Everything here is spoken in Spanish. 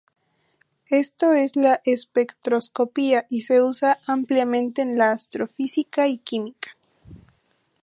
Esto es la espectroscopia y se usa ampliamente en astrofísica y química.